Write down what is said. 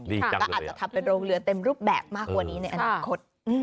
ก็อาจจะทำเป็นโรงเรือเต็มรูปแบบมากกว่านี้ในอนาคต